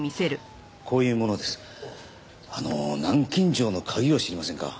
あの南京錠の鍵を知りませんか？